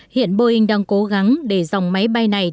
hiện boeing đang cố gắng để dòng máy bay này